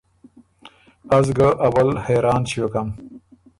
از ګه اول حېران ݭیوکم۔